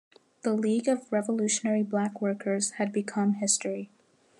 The League of Revolutionary Black Workers had become history.